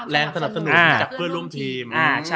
เลนค์สนุนสำหรับเพื่อนร่วมทีม